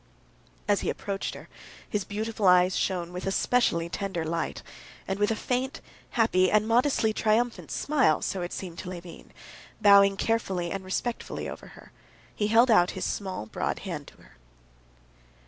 As he approached her, his beautiful eyes shone with a specially tender light, and with a faint, happy, and modestly triumphant smile (so it seemed to Levin), bowing carefully and respectfully over her, he held out his small broad hand to her.